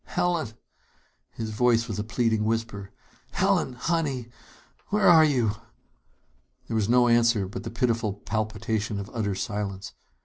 "Helen!" His voice was a pleading whisper. "Helen, honey, where are you?" There was no answer but the pitiful palpitation of utter silence.